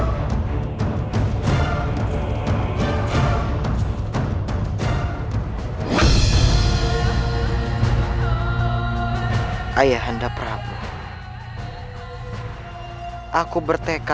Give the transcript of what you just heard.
baiklah kalau kalian tidak percaya